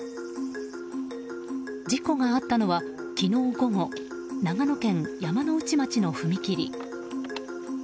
事故があったのは昨日午後長野県山ノ内町の踏切。